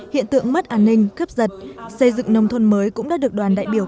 hiện tượng mất an ninh cướp giật xây dựng nông thôn mới cũng đã được đoàn đại biểu